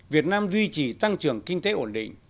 việt nam duy trì tăng trưởng kinh tế ổn định